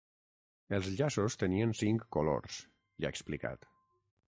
Els llaços tenien cinc colors, li ha explicat.